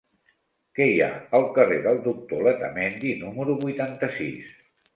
Què hi ha al carrer del Doctor Letamendi número vuitanta-sis?